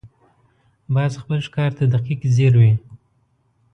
باز خپل ښکار ته دقیق ځیر وي